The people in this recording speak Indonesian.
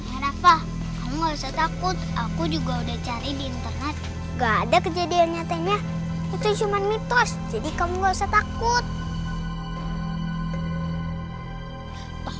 aduh bapak kamu jangan kemakan omongan ayah deh